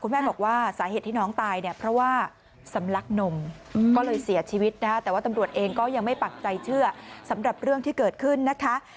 ไม่เสียชีวิตแต่ว่าตำรวจเองก็ยังไม่ปักใจเชื่อสำหรับเรื่องที่เกิดขึ้นนะคะ